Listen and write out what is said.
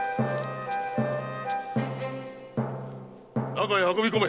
中へ運び込め。